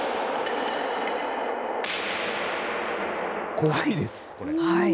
怖いです、これ。